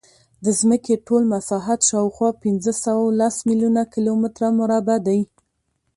د ځمکې ټول مساحت شاوخوا پینځهسوهلس میلیونه کیلومتره مربع دی.